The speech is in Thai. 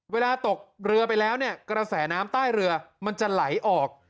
เวลาตกเรือไปแล้วเนี่ยกระแสน้ำใต้เรือมันจะไหลออก